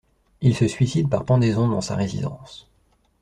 Il se suicide par pendaison dans sa résidence.